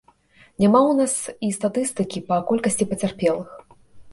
Няма ў нас і статыстыкі па колькасці пацярпелых.